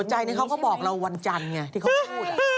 ใจนี้เขาก็บอกเราวันจันทร์ไงที่เขาพูด